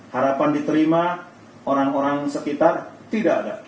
harapan diterima orang orang sekitar tidak ada